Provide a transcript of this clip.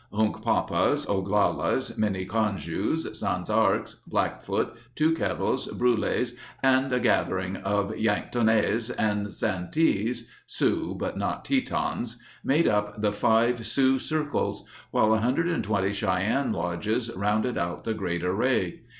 Hunkpapas, Oglalas, Miniconjous, Sans Arcs, Blackfoot, Two Kettles, Brules, and a scattering of Yanktonnais and Santees (Sioux, but not Tetons) made up the five Sioux circles, while 120 Cheyenne lodges rounded out the great array.